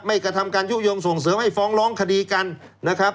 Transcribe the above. กระทำการยุโยงส่งเสริมให้ฟ้องร้องคดีกันนะครับ